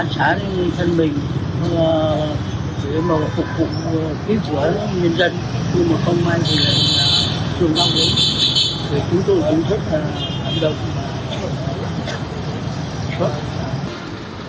thì chúng tôi cũng thích làm đồng